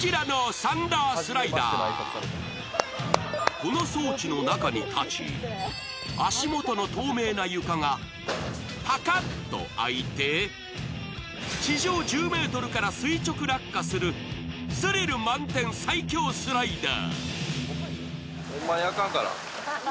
この装置の中に立ち、足元の透明な床がパカッと開いて地上１０ｍから垂直落下するスリル満点最恐スライダー。